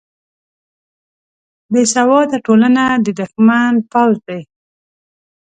بیسواده ټولنه د دښمن پوځ دی